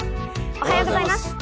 おはようございます。